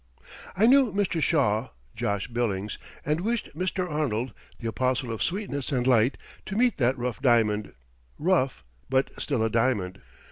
I knew Mr. Shaw (Josh Billings) and wished Mr. Arnold, the apostle of sweetness and light, to meet that rough diamond rough, but still a diamond.